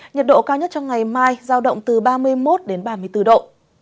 nhiệt độ cao nhất trong ngày mai giao động từ ba mươi một đến ba mươi bốn độ